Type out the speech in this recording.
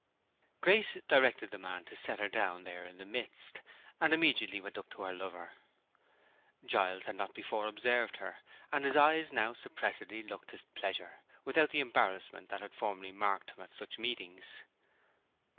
Grace directed the man to set her down there in the midst, and immediately went up to her lover. Giles had not before observed her, and his eyes now suppressedly looked his pleasure, without the embarrassment that had formerly marked him at such meetings.